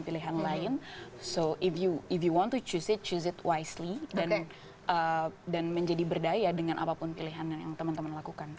jadi kalau misalnya mau dipilih pilih dengan cenderung dan menjadi berdaya dengan apapun pilihan yang teman teman lakukan